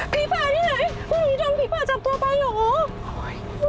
พี่ป้าที่ไหนพวกนี้ต้องพี่ป้าจับตัวไปเหรอ